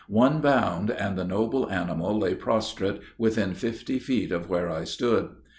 One bound, and the noble animal lay prostrate within fifty feet of where I stood.